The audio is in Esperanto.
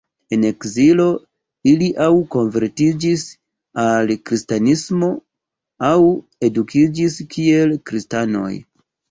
En ekzilo ili aŭ konvertiĝis al kristanismo aŭ edukiĝis kiel kristanoj.